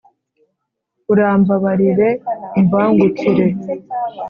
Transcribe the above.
urambabarire umbangukire